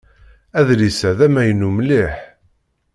Adlis-a d amaynu mliḥ.